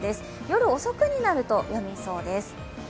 夜遅くになるとやみそうです。